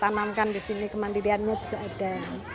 tanamkan di sini kemandiriannya juga ada